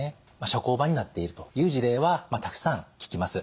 社交場になっているという事例はたくさん聞きます。